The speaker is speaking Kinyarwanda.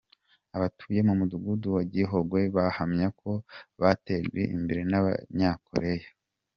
Abatuye mu mudugudu wa Gihogwe bahamya ko batejwe imbere n’Abanyakoreya